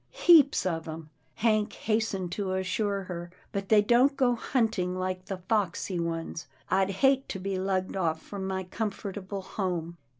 " Heaps of 'em," Hank hastened to assure her, " but they don't go hunting like the foxy ones. I'd hate to be lugged off from my comfortable home."